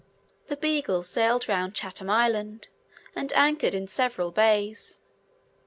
The Beagle sailed round Chatham Island, and anchored in several bays.